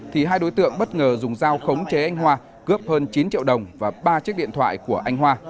thì hai đối tượng bất ngờ dùng dao khống chế anh hoa cướp hơn chín triệu đồng và ba chiếc điện thoại của anh hoa